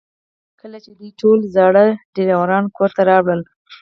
کله چې دوی ټول زاړه ډرایوونه کور ته راوړل